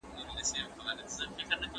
د خپلو اوښـكو په زريــنو كـــاڼــو